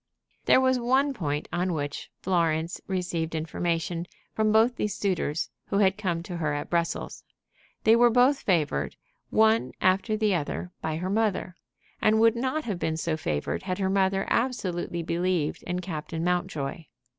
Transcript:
There was one point on which Florence received information from these two suitors who had come to her at Brussels. They were both favored, one after the other, by her mother; and would not have been so favored had her mother absolutely believed in Captain Mountjoy.